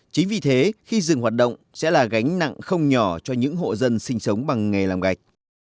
chính vì thế khi dừng hoạt động sẽ là gánh nặng không nhỏ cho những hộ dân sinh sống bằng nghề làm gạch